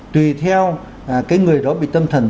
tùy theo cái người đó bị tâm thần